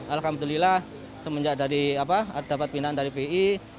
alhamdulillah semenjak dapat binaan dari bi